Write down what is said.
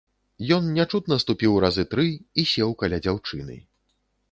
Ён нячутна ступіў разы тры і сеў каля дзяўчыны.